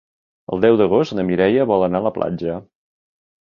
El deu d'agost na Mireia vol anar a la platja.